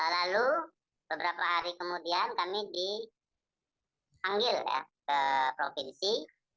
lalu beberapa hari kemudian kami dipanggil ke provinsi